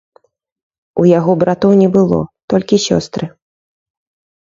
У яго братоў не было, толькі сёстры.